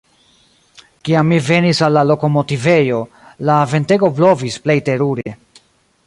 Kiam mi venis al la lokomotivejo, la ventego blovis plej terure.